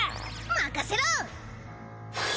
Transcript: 任せろ！